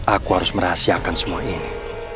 aku harus merahasiakan semua ini